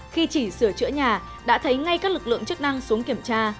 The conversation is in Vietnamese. khi chỉ sửa chữa nhà đã thấy ngay các lực lượng chức năng xuống kiểm tra